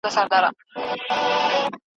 که زیار وي نو راتلونکی نه خرابیږي.